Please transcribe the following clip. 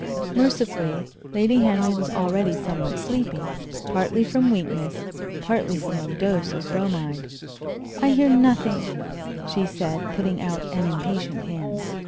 Mercifully, Lady Henry was already somewhat sleepy, partly from weakness, partly from a dose of bromide. "I hear nothing," she said, putting out an impatient hand.